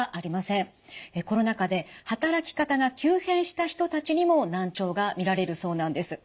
コロナ禍で働き方が急変した人たちにも難聴が見られるそうなんです。